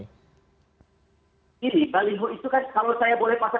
ini baliho itu kan kalau saya boleh pasang